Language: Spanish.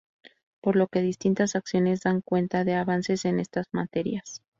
Por lo que distintas acciones dan cuenta de avances en estas materias.